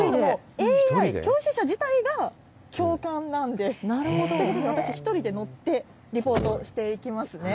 ＡＩ、教習車自体が教官なんです。ということで、私、１人で乗ってリポートしていきますね。